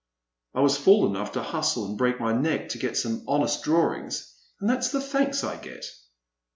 I was fool enough to hustle and break my neck to get some honest drawings, and that 's the thanks I get